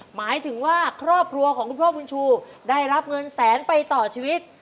หมายถึงว่าครอบครัวของคุณพ่อบุญชูได้รับเงินแสนไปต่อชีวิต